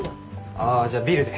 あじゃあビールで。